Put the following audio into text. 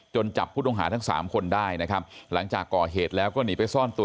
จับผู้ต้องหาทั้งสามคนได้นะครับหลังจากก่อเหตุแล้วก็หนีไปซ่อนตัว